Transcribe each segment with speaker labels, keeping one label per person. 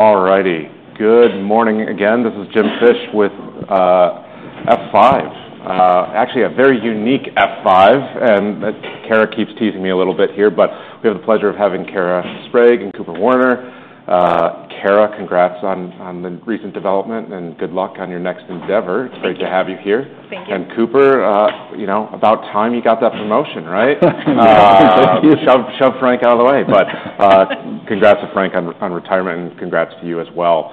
Speaker 1: All righty. Good morning again. This is Jim Fish with F5. Actually, a very unique F5, and Kara keeps teasing me a little bit here, but we have the pleasure of having Kara Sprague and Cooper Werner. Kara, congrats on the recent development, and good luck on your next endeavor.
Speaker 2: Thank you.
Speaker 1: Great to have you here.
Speaker 2: Thank you.
Speaker 1: Cooper, you know, about time you got that promotion, right?
Speaker 3: Thank you.
Speaker 1: Shove, shove Frank out of the way. But, congrats to Frank on, on retirement, and congrats to you as well.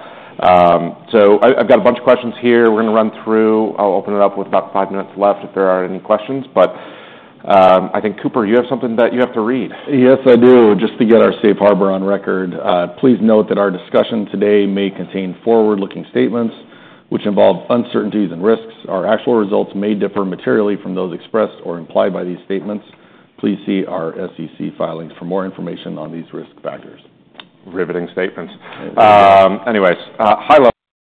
Speaker 1: So I've got a bunch of questions here we're going to run through. I'll open it up with about five minutes left if there are any questions. But, I think, Cooper, you have something that you have to read.
Speaker 3: Yes, I do. Just to get our safe harbor on record, "Please note that our discussion today may contain forward-looking statements which involve uncertainties and risks. Our actual results may differ materially from those expressed or implied by these statements. Please see our SEC filings for more information on these risk factors.
Speaker 1: Riveting statements. Anyways, high-level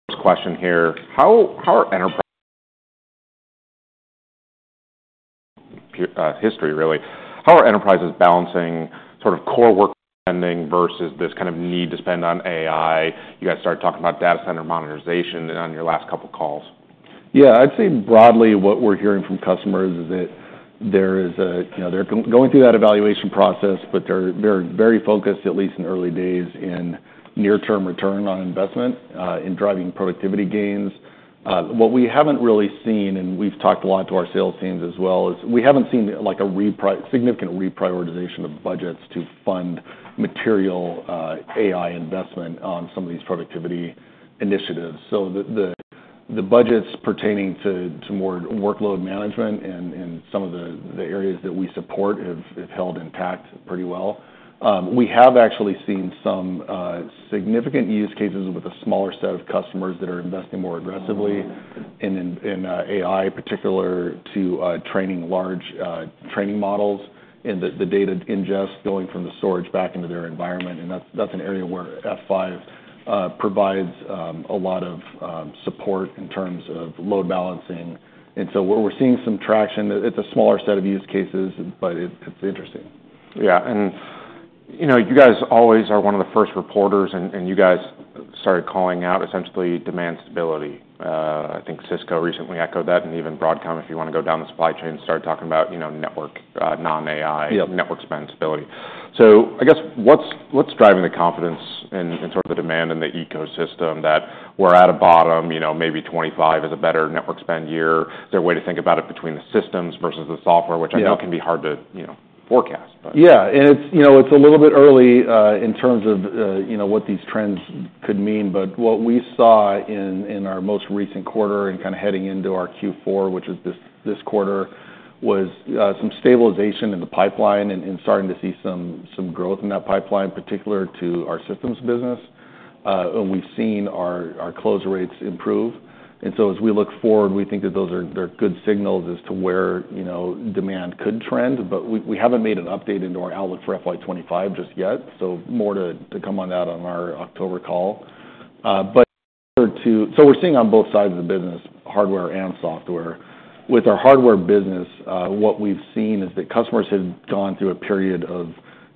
Speaker 1: first question here: How are enterprises balancing sort of core work spending versus this kind of need to spend on AI? You guys started talking about data center monetization on your last couple calls.
Speaker 3: Yeah, I'd say broadly, what we're hearing from customers is that there is a. You know, they're going through that evaluation process, but they're very focused, at least in early days, in near-term return on investment in driving productivity gains. What we haven't really seen, and we've talked a lot to our sales teams as well, is we haven't seen, like, a significant reprioritization of budgets to fund material AI investment on some of these productivity initiatives. So the budgets pertaining to more workload management and some of the areas that we support have held intact pretty well. We have actually seen some significant use cases with a smaller set of customers that are investing more aggressively in AI, particular to training large models, and the data ingest going from the storage back into their environment, and that's an area where F5 provides a lot of support in terms of load balancing, and so we're seeing some traction. It's a smaller set of use cases, but it's interesting.
Speaker 1: Yeah, and you know, you guys always are one of the first reporters, and you guys started calling out essentially demand stability. I think Cisco recently echoed that, and even Broadcom, if you want to go down the supply chain, started talking about, you know, network non-AI-
Speaker 3: Yeah...
Speaker 1: network spend stability. So I guess, what's driving the confidence in sort of the demand and the ecosystem that we're at a bottom, you know, maybe 2025 is a better network spend year? Is there a way to think about it between the systems versus the software-
Speaker 3: Yeah...
Speaker 1: which I know can be hard to, you know, forecast, but?
Speaker 3: Yeah. And it's, you know, it's a little bit early in terms of what these trends could mean. But what we saw in our most recent quarter and kind of heading into our Q4, which is this quarter, was some stabilization in the pipeline and starting to see some growth in that pipeline, particular to our systems business. And we've seen our close rates improve. And so as we look forward, we think that those are good signals as to where, you know, demand could trend. But we haven't made an update into our outlook for FY 2025 just yet, so more to come on that on our October call. But to. So we're seeing on both sides of the business, hardware and software. With our hardware business, what we've seen is that customers have gone through a period of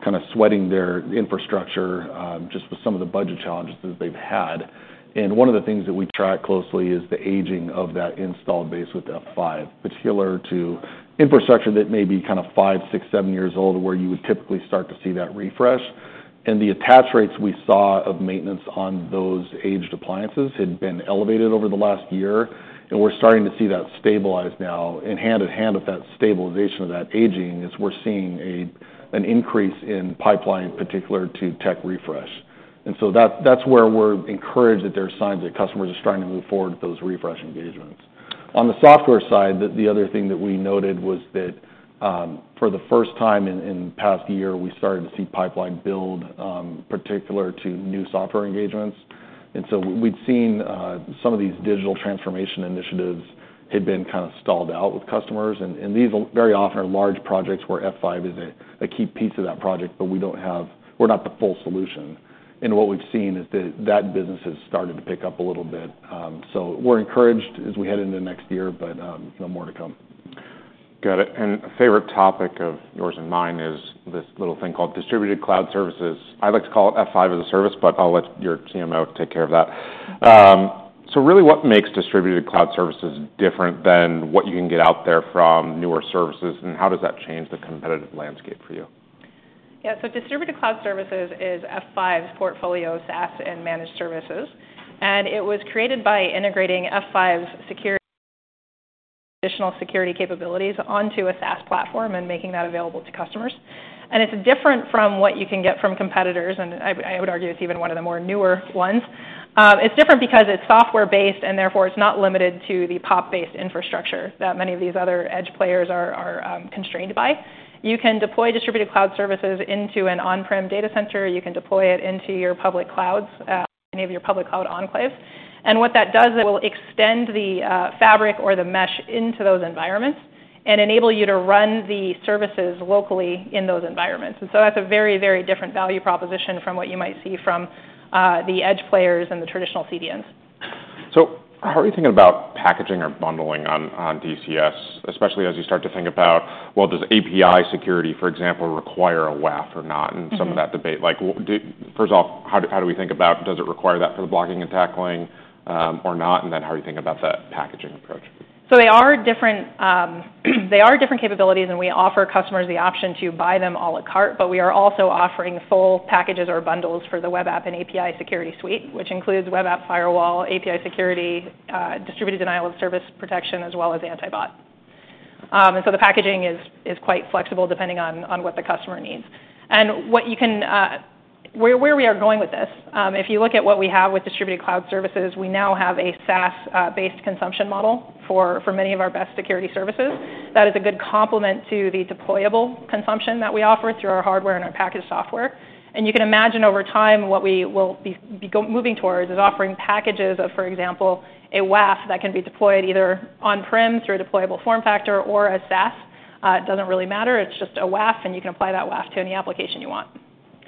Speaker 3: kind of sweating their infrastructure, just with some of the budget challenges that they've had. And one of the things that we track closely is the aging of that installed base with F5, particular to infrastructure that may be kind of five, six, seven years old, where you would typically start to see that refresh. And the attach rates we saw of maintenance on those aged appliances had been elevated over the last year, and we're starting to see that stabilize now. And hand in hand with that stabilization of that aging, we're seeing an increase in pipeline, particular to tech refresh. And so that's where we're encouraged that there are signs that customers are starting to move forward with those refresh engagements. On the software side, the other thing that we noted was that, for the first time in the past year, we started to see pipeline build particular to new software engagements. And so we'd seen some of these digital transformation initiatives had been kind of stalled out with customers, and these very often are large projects where F5 is a key piece of that project, but we don't have. We're not the full solution. And what we've seen is that that business has started to pick up a little bit. So we're encouraged as we head into next year, but no more to come.
Speaker 1: Got it. And a favorite topic of yours and mine is this little thing called Distributed Cloud Services. I like to call it F5 as a service, but I'll let your CMO take care of that. So really, what makes Distributed Cloud Services different than what you can get out there from newer services, and how does that change the competitive landscape for you?
Speaker 2: Yeah, so Distributed Cloud Services is F5's portfolio, SaaS and managed services, and it was created by integrating F5's security.. additional security capabilities onto a SaaS platform and making that available to customers, and it's different from what you can get from competitors, and I would argue it's even one of the more newer ones. It's different because it's software-based, and therefore, it's not limited to the POP-based infrastructure that many of these other edge players are constrained by. You can deploy Distributed Cloud Services into an on-prem data center. You can deploy it into your public clouds, any of your public cloud enclaves, and what that does, it will extend the fabric or the mesh into those environments and enable you to run the services locally in those environments. That's a very, very different value proposition from what you might see from the edge players and the traditional CDNs.
Speaker 1: So how are you thinking about packaging or bundling on DCS, especially as you start to think about, well, does API security, for example, require a WAF or not, and some of that debate? Like, first off, how do we think about, does it require that for the blocking and tackling, or not? And then how are you thinking about that packaging approach?
Speaker 2: They are different capabilities, and we offer customers the option to buy them all a la carte, but we are also offering full packages or bundles for the web app and API security suite, which includes web app firewall, API security, distributed denial-of-service protection, as well as anti-bot. The packaging is quite flexible, depending on what the customer needs. Where we are going with this, if you look at what we have with Distributed Cloud Services, we now have a SaaS based consumption model for many of our best security services. That is a good complement to the deployable consumption that we offer through our hardware and our packaged software. And you can imagine over time what we will be moving towards is offering packages of, for example, a WAF that can be deployed either on-prem through a deployable form factor or a SaaS. It doesn't really matter. It's just a WAF, and you can apply that WAF to any application you want.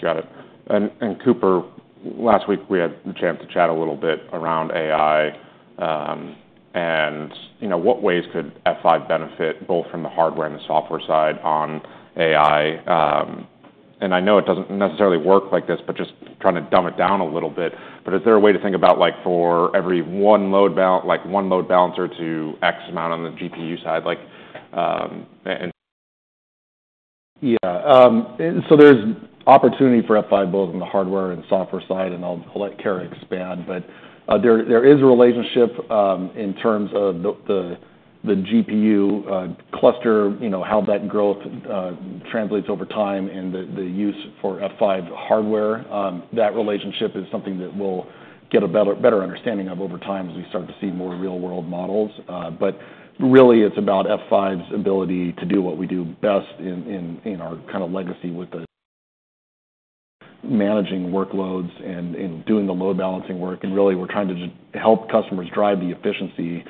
Speaker 1: Got it. And, Cooper, last week, we had the chance to chat a little bit around AI, and, you know, what ways could F5 benefit, both from the hardware and the software side on AI? And I know it doesn't necessarily work like this, but just trying to dumb it down a little bit. But is there a way to think about like, for every one load bal- like, one load balancer to X amount on the GPU side, like, and-
Speaker 3: Yeah, and so there's opportunity for F5, both in the hardware and software side, and I'll let Kara expand. But there is a relationship in terms of the GPU cluster, you know, how that growth translates over time and the use for F5 hardware. That relationship is something that we'll get a better understanding of over time as we start to see more real-world models. But really, it's about F5's ability to do what we do best in our kind of legacy with the managing workloads and doing the load balancing work, and really, we're trying to just help customers drive the efficiency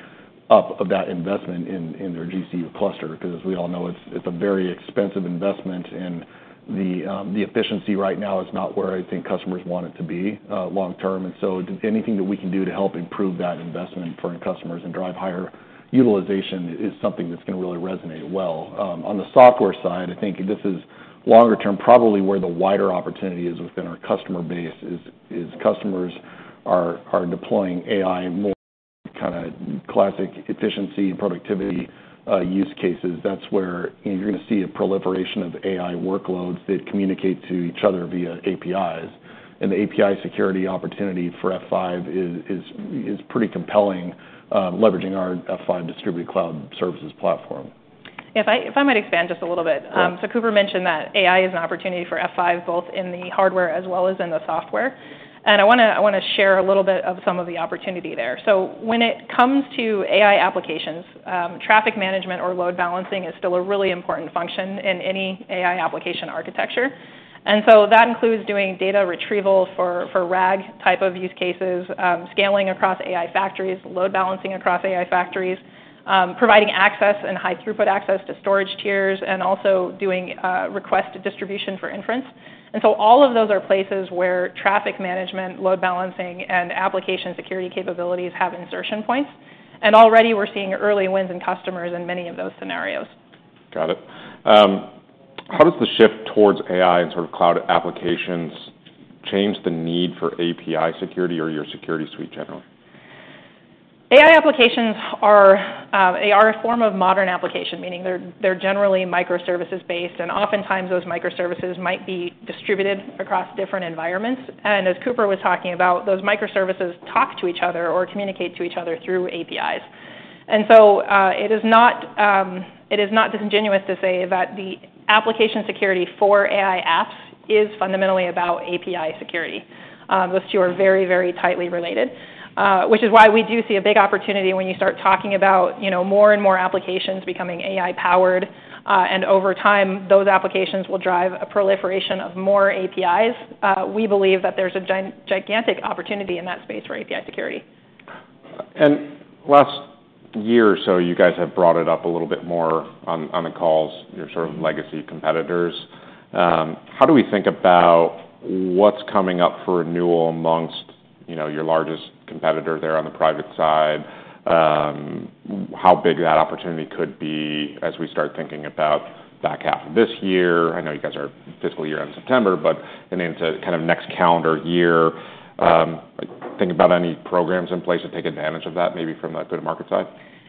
Speaker 3: up of that investment in their GPU cluster. Cause as we all know, it's a very expensive investment, and the efficiency right now is not where I think customers want it to be, long term. And so anything that we can do to help improve that investment for our customers and drive higher utilization is something that's gonna really resonate well. On the software side, I think this is longer term, probably where the wider opportunity is within our customer base, is customers are deploying AI more kinda classic efficiency and productivity use cases. That's where you're gonna see a proliferation of AI workloads that communicate to each other via APIs. And the API security opportunity for F5 is pretty compelling, leveraging our F5 Distributed Cloud Services platform.
Speaker 2: If I might expand just a little bit.
Speaker 1: Sure.
Speaker 2: So Cooper mentioned that AI is an opportunity for F5, both in the hardware as well as in the software, and I wanna share a little bit of some of the opportunity there, so when it comes to AI applications, traffic management or load balancing is still a really important function in any AI application architecture, and so that includes doing data retrieval for RAG-type of use cases, scaling across AI factories, load balancing across AI factories, providing access and high throughput access to storage tiers, and also doing request distribution for inference, and so all of those are places where traffic management, load balancing, and application security capabilities have insertion points, and already we're seeing early wins in customers in many of those scenarios.
Speaker 1: Got it. How does the shift towards AI and sort of cloud applications change the need for API security or your security suite generally?
Speaker 2: AI applications are a form of modern application, meaning they're generally microservices-based, and often times those microservices might be distributed across different environments, and as Cooper was talking about, those microservices talk to each other or communicate to each other through APIs, and so it is not disingenuous to say that the application security for AI apps is fundamentally about API security. Those two are very, very tightly related, which is why we do see a big opportunity when you start talking about, you know, more and more applications becoming AI-powered, and over time, those applications will drive a proliferation of more APIs. We believe that there's a gigantic opportunity in that space for API security.
Speaker 1: And last year or so, you guys have brought it up a little bit more on the calls, your sort of legacy competitors. How do we think about what's coming up for renewal among, you know, your largest competitor there on the private side? How big that opportunity could be as we start thinking about back half of this year. I know you guys are fiscal year end September, but then into kind of next calendar year. Like, think about any programs in place to take advantage of that, maybe from the go-to-market side?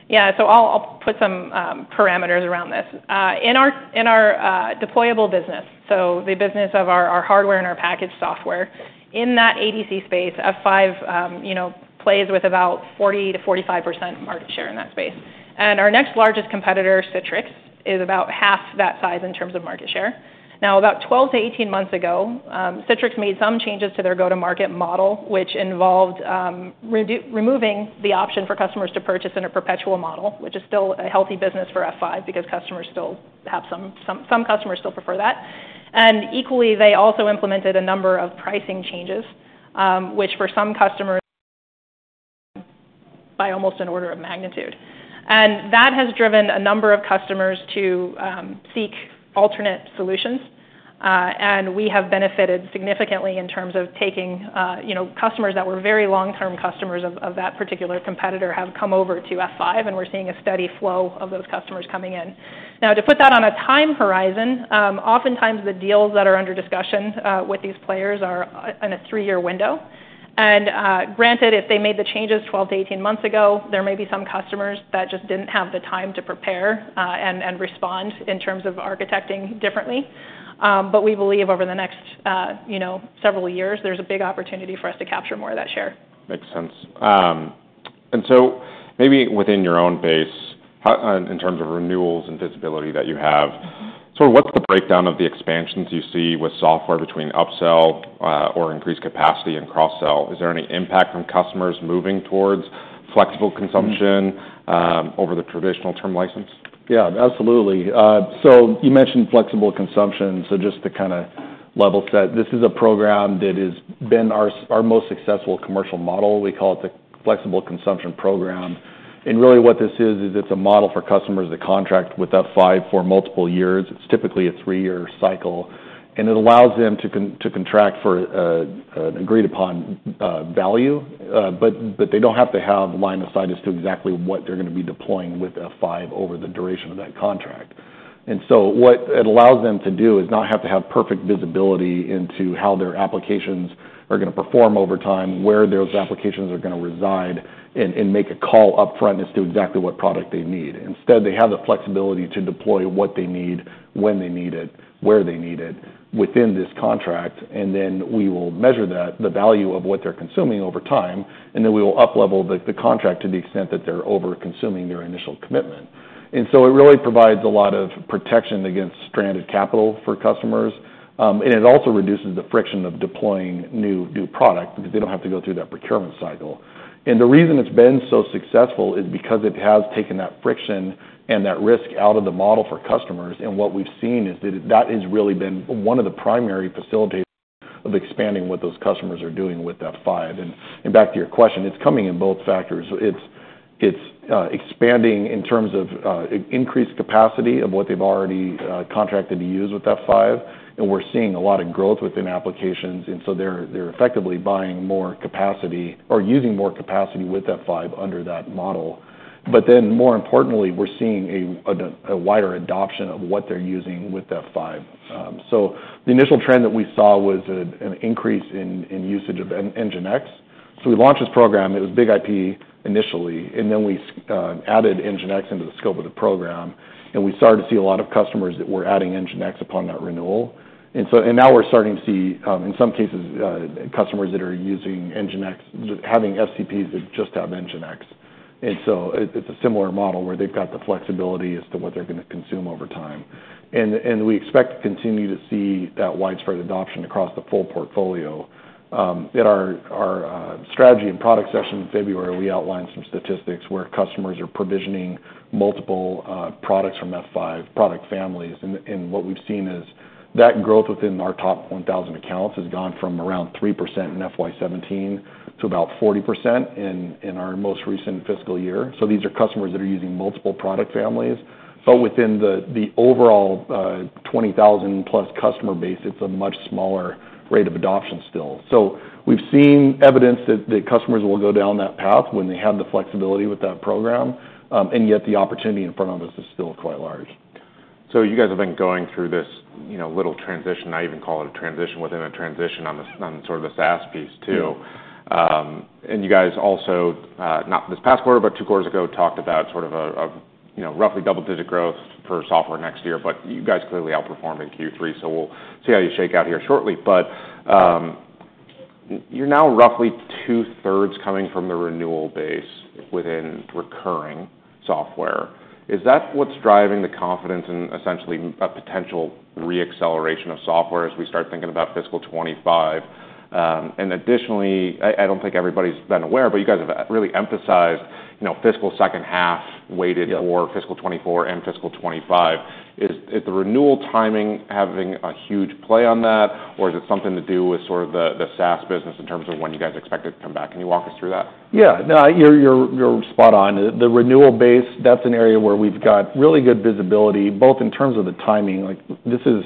Speaker 2: Yeah. So I'll put some parameters around this. In our deployable business, so the business of our hardware and our packaged software, in that ADC space, F5, you know, plays with about 40% to 45% market share in that space. And our next largest competitor, Citrix, is about half that size in terms of market share. Now, about 12 to 18 months ago, Citrix made some changes to their go-to-market model, which involved removing the option for customers to purchase in a perpetual model, which is still a healthy business for F5, because customers still have some customers still prefer that. And equally, they also implemented a number of pricing changes, which for some customers by almost an order of magnitude. And that has driven a number of customers to seek alternate solutions. And we have benefited significantly in terms of taking, you know, customers that were very long-term customers of that particular competitor have come over to F5, and we're seeing a steady flow of those customers coming in. Now, to put that on a time horizon, oftentimes, the deals that are under discussion with these players are on a three-year window. And, granted, if they made the changes 12 to 18 months ago, there may be some customers that just didn't have the time to prepare, and respond in terms of architecting differently. But we believe over the next, you know, several years, there's a big opportunity for us to capture more of that share.
Speaker 1: Makes sense. And so maybe within your own base, how in terms of renewals and visibility that you have, so what's the breakdown of the expansions you see with software between upsell or increased capacity and cross-sell? Is there any impact from customers moving towards flexible consumption over the traditional term license?
Speaker 3: Yeah, absolutely. So you mentioned flexible consumption. So just to kind of level set, this is a program that has been our most successful commercial model. We call it the Flexible Consumption Program. And really, what this is, is it's a model for customers to contract with F5 for multiple years. It's typically a three-year cycle, and it allows them to contract for an agreed upon value, but they don't have to have line of sight as to exactly what they're going to be deploying with F5 over the duration of that contract. And so what it allows them to do is not have to have perfect visibility into how their applications are going to perform over time, where those applications are going to reside, and make a call upfront as to exactly what product they need. Instead, they have the flexibility to deploy what they need, when they need it, where they need it within this contract, and then we will measure that, the value of what they're consuming over time, and then we will uplevel the contract to the extent that they're overconsuming their initial commitment. And so it really provides a lot of protection against stranded capital for customers, and it also reduces the friction of deploying new product because they don't have to go through that procurement cycle. And the reason it's been so successful is because it has taken that friction and that risk out of the model for customers, and what we've seen is that that has really been one of the primary facilitators of expanding what those customers are doing with F5. And back to your question, it's coming in both factors. It's expanding in terms of increased capacity of what they've already contracted to use with F5, and we're seeing a lot of growth within applications, and so they're effectively buying more capacity or using more capacity with F5 under that model. But then, more importantly, we're seeing a wider adoption of what they're using with F5. So the initial trend that we saw was an increase in usage of NGINX. So we launched this program, it was BIG-IP initially, and then we added NGINX into the scope of the program, and we started to see a lot of customers that were adding NGINX upon that renewal, and now we're starting to see, in some cases, customers that are using NGINX, having SCPs that just have NGINX. And so it's a similar model where they've got the flexibility as to what they're going to consume over time. And we expect to continue to see that widespread adoption across the full portfolio. At our strategy and product session in February, we outlined some statistics where customers are provisioning multiple products from F5 product families. And what we've seen is that growth within our top 1,000 accounts has gone from around 3% in FY 2017 to about 40% in our most recent fiscal year. So these are customers that are using multiple product families. But within the overall 20,000plus customer base, it's a much smaller rate of adoption still. So we've seen evidence that customers will go down that path when they have the flexibility with that program, and yet the opportunity in front of us is still quite large.
Speaker 1: So you guys have been going through this, you know, little transition. I even call it a transition within a transition, on the SaaS piece, too. And you guys also, not this past quarter, but two quarters ago, talked about sort of a, you know, roughly double-digit growth for software next year, but you guys clearly outperformed in Q3, so we'll see how you shake out here shortly. But you're now roughly two-thirds coming from the renewal base within recurring software. Is that what's driving the confidence in essentially a potential re-acceleration of software as we start thinking about fiscal twenty-five? And additionally, I don't think everybody's been aware, but you guys have really emphasized, you know, fiscal second half weighted-
Speaker 3: Yeah
Speaker 1: for fiscal 2024 and fiscal 2025. Is the renewal timing having a huge play on that, or is it something to do with sort of the SaaS business in terms of when you guys expect it to come back? Can you walk us through that?
Speaker 3: Yeah. No, you're spot on. The renewal base, that's an area where we've got really good visibility, both in terms of the timing. Like, this is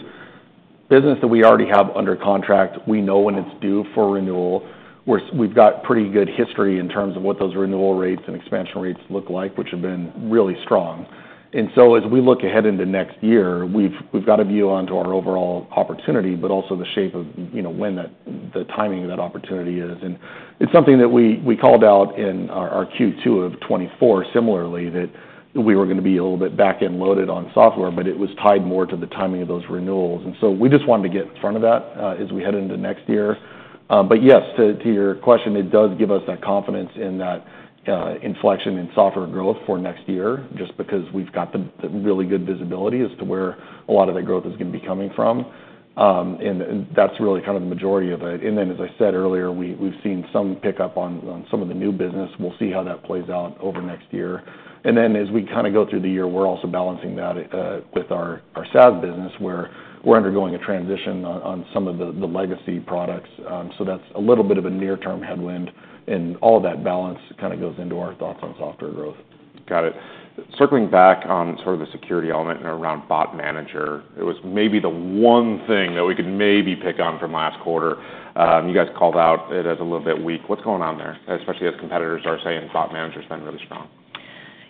Speaker 3: business that we already have under contract. We know when it's due for renewal. We've got pretty good history in terms of what those renewal rates and expansion rates look like, which have been really strong. And so as we look ahead into next year, we've got a view onto our overall opportunity, but also the shape of, you know, when that, the timing of that opportunity is. And it's something that we called out in our Q2 of 2024, similarly, that we were going to be a little bit back-end loaded on software, but it was tied more to the timing of those renewals. And so we just wanted to get in front of that, as we head into next year. But yes, to your question, it does give us that confidence in that inflection in software growth for next year, just because we've got the really good visibility as to where a lot of that growth is going to be coming from. And that's really kind of the majority of it. And then, as I said earlier, we've seen some pickup on some of the new business. We'll see how that plays out over next year. And then as we kind of go through the year, we're also balancing that with our SaaS business, where we're undergoing a transition on some of the legacy products. That's a little bit of a near-term headwind, and all that balance kind of goes into our thoughts on software growth.
Speaker 1: Got it. Circling back on sort of the security element and around bot manager, it was maybe the one thing that we could maybe pick on from last quarter. You guys called out it as a little bit weak. What's going on there? Especially as competitors are saying bot manager's been really strong.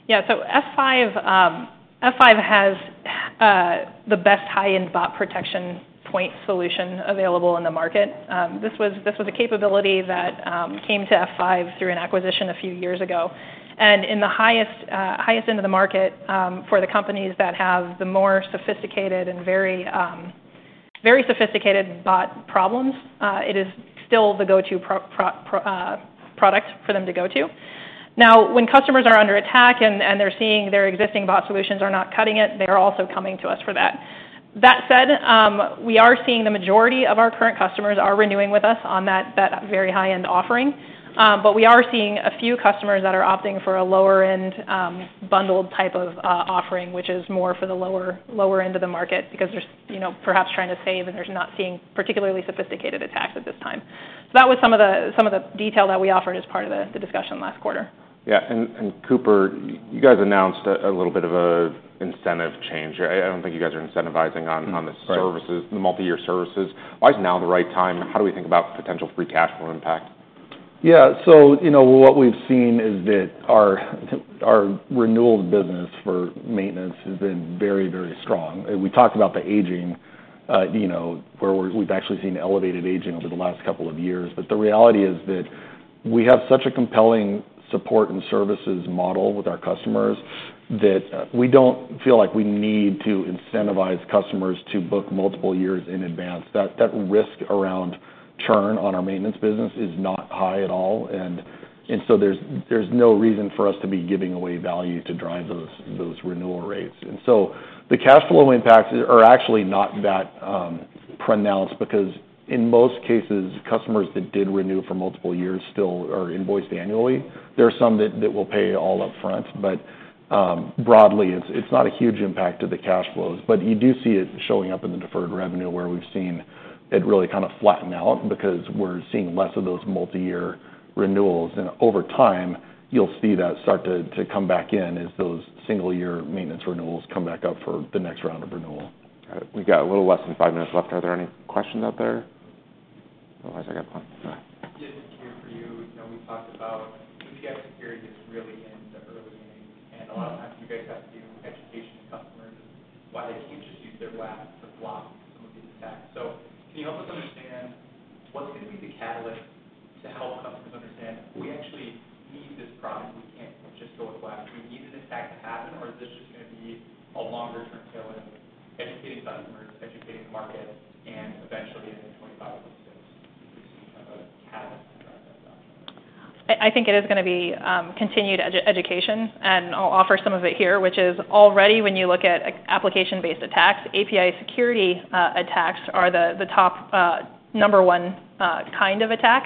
Speaker 2: Yeah. So F5 has the best high-end bot protection point solution available in the market. This was a capability that came to F5 through an acquisition a few years ago, and in the highest end of the market, for the companies that have the more sophisticated and very sophisticated bot problems, it is still the go-to product for them to go to. Now, when customers are under attack and they're seeing their existing bot solutions are not cutting it, they are also coming to us for that. That said, we are seeing the majority of our current customers are renewing with us on that very high-end offering. But we are seeing a few customers that are opting for a lower-end, bundled type of offering, which is more for the lower, lower end of the market, because they're you know, perhaps trying to save, and they're not seeing particularly sophisticated attacks at this time. So that was some of the detail that we offered as part of the discussion last quarter.
Speaker 1: Yeah, and Cooper, you guys announced a little bit of an incentive change. I don't think you guys are incentivizing on
Speaker 3: Right...
Speaker 1: the services, the multi-year services. Why is now the right time? How do we think about potential free cash flow impact?
Speaker 3: Yeah, so you know, what we've seen is that our renewals business for maintenance has been very, very strong, and we talked about the aging, you know, where we've actually seen elevated aging over the last couple of years, but the reality is that we have such a compelling support and services model with our customers, that we don't feel like we need to incentivize customers to book multiple years in advance. That risk around churn on our maintenance business is not high at all, and so there's no reason for us to be giving away value to drive those renewal rates, and so the cash flow impacts are actually not that pronounced, because in most cases, customers that did renew for multiple years still are invoiced annually. There are some that will pay all upfront, but broadly, it's not a huge impact to the cash flows. But you do see it showing up in the deferred revenue, where we've seen it really kind of flatten out, because we're seeing less of those multi-year renewals. And over time, you'll see that start to come back in as those single-year maintenance renewals come back up for the next round of renewal.
Speaker 1: All right. We've got a little less than five minutes left. Are there any questions out there? Otherwise, I got one. Go ahead. Yeah, for you, you know, we've talked about API security is really in the early innings, and a lot of times you guys have to educate customers why they can't just use their WAF to block some of these attacks. So can you help us understand what's going to be the catalyst to help customers understand, we actually need this product, we can't just go with WAF. Do we need an attack to happen, or is this just going to be a longer-term sale in educating customers, educating the market, and eventually in the 2025 to 2026, do you see kind of a catalyst around that?
Speaker 2: I think it is going to be continued education, and I'll offer some of it here, which is already, when you look at application-based attacks, API security attacks are the top number one kind of attack.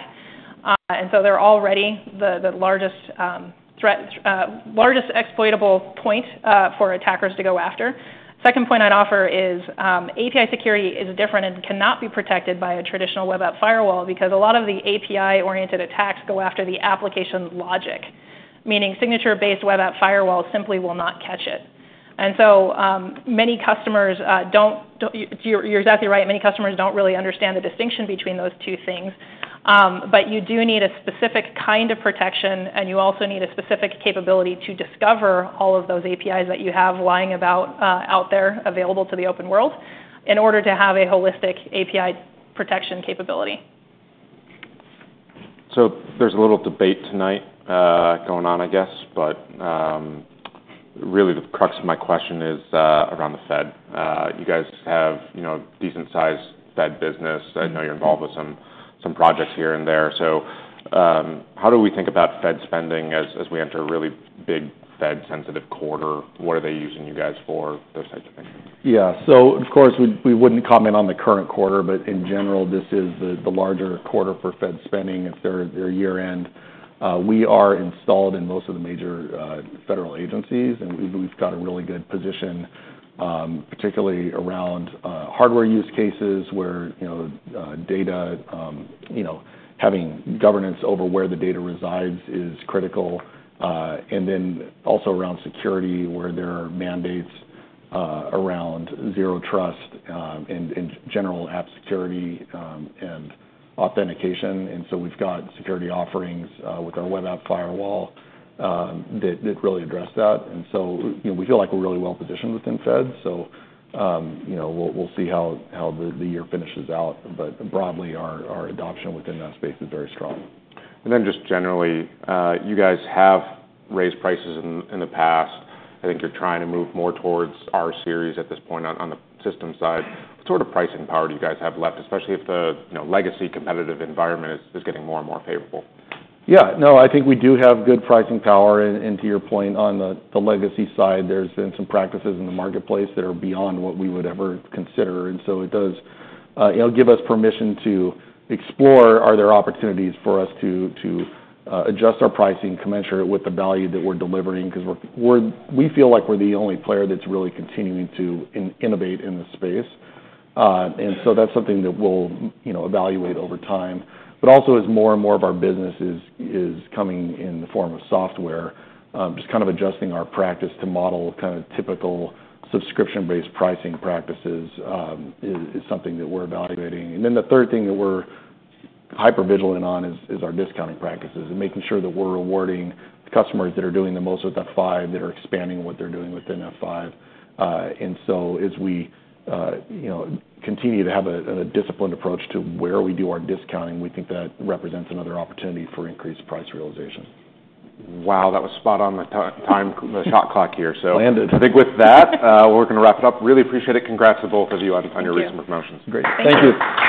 Speaker 2: And so they're already the largest threat, largest exploitable point for attackers to go after. Second point I'd offer is, API security is different and cannot be protected by a traditional web app firewall, because a lot of the API-oriented attacks go after the application's logic, meaning signature-based web app firewall simply will not catch it. And so, many customers don't-- You're exactly right. Many customers don't really understand the distinction between those two things. But you do need a specific kind of protection, and you also need a specific capability to discover all of those APIs that you have lying about out there available to the open world, in order to have a holistic API protection capability.
Speaker 1: So there's a little debate tonight, going on, I guess, but, really, the crux of my question is, around the Fed. You guys have, you know, a decent-sized Fed business.
Speaker 3: Mm-hmm.
Speaker 1: I know you're involved with some projects here and there. So, how do we think about Fed spending as we enter a really big Fed-sensitive quarter? What are they using you guys for, those types of things?
Speaker 3: Yeah. So of course, we wouldn't comment on the current quarter, but in general, this is the larger quarter for Fed spending. It's their year-end. We are installed in most of the major federal agencies, and we've got a really good position, particularly around hardware use cases where, you know, data, you know, having governance over where the data resides is critical. And then also around security, where there are mandates around zero trust, and general app security, and authentication. And so we've got security offerings with our web app firewall that really address that. And so, you know, we feel like we're really well positioned within Fed. So, you know, we'll see how the year finishes out. But broadly, our adoption within that space is very strong.
Speaker 1: Just generally, you guys have raised prices in the past. I think you're trying to move more towards rSeries at this point on the systems side. What sort of pricing power do you guys have left, especially if you know the legacy competitive environment is getting more and more favorable?
Speaker 3: Yeah. No, I think we do have good pricing power. And to your point on the legacy side, there's been some practices in the marketplace that are beyond what we would ever consider. And so it does, it'll give us permission to explore, are there opportunities for us to adjust our pricing, commensurate with the value that we're delivering? Cause we're we feel like we're the only player that's really continuing to innovate in this space. And so that's something that we'll, you know, evaluate over time. But also, as more and more of our business is coming in the form of software, just kind of adjusting our practice to model kind of typical subscription-based pricing practices, is something that we're evaluating. And then the third thing that we're hyper-vigilant on is our discounting practices, and making sure that we're rewarding the customers that are doing the most with F5, that are expanding what they're doing within F5. And so as we you know continue to have a disciplined approach to where we do our discounting, we think that represents another opportunity for increased price realization.
Speaker 1: Wow, that was spot on the time, the shot clock here, so-
Speaker 3: Landed.
Speaker 1: I think with that, we're going to wrap it up. Really appreciate it. Congrats to both of you on your recent promotions.
Speaker 2: Thank you.
Speaker 3: Great. Thank you.